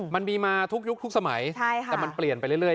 มันมีมาทุกยุคทุกสมัยแต่มันเปลี่ยนไปเรื่อย